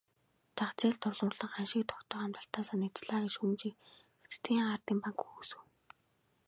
Зах зээлд тулгуурлан ханшийг тогтоох амлалтаасаа няцлаа гэх шүүмжийг Хятадын ардын банк үгүйсгэв.